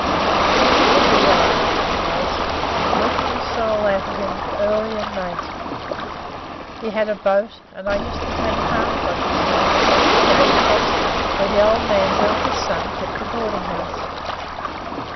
He was a nigger driver, he was, working the soul out of him early and late. He had a boat, and I used to take farm produce in it across the bay to Boston, where the old man's eldest son kept a boarding house.